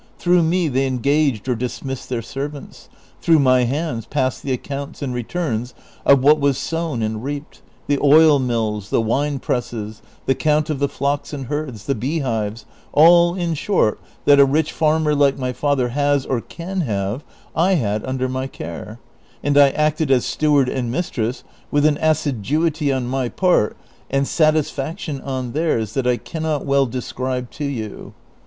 Through me they engaged or dis niisscul their servants ; through my hands passed the accounts and re turns of what was sown and reaped ; the oil mills, the wine presses, the count of tlie flocks and herds, the beehives, all in short tliat a rich farmer like my father has or can have, I had under my care, and I acted as steward and mistress with an assiduity on my part and satisfaction on theirs that I can not well describe to you.